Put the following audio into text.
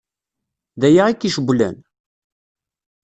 D aya i k-icewwlen?